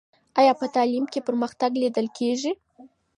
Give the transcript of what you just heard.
آیا په تعلیم کې پرمختګ لیدل کېږي؟